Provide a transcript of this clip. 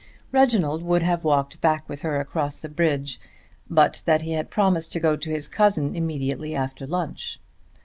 Reginald would have walked back with her across the bridge but that he had promised to go to his cousin immediately after lunch.